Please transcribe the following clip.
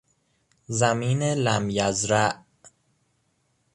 زمین لمیزرع